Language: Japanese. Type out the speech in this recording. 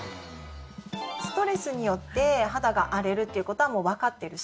ストレスによって肌が荒れるっていうことはもうわかってるし